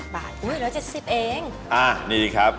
๑๗๐บาทอุ๊ย๑๗๐เองอันนี้ครับ